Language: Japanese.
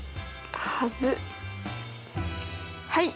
はい。